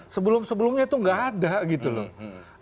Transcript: sebelum sebelumnya itu nggak ada gitu loh